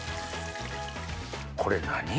これ何？